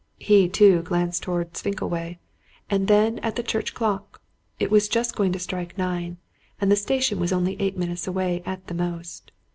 He, too, glanced towards Finkleway, and then at the church clock. It was just going to strike nine and the station was only eight minutes away at the most.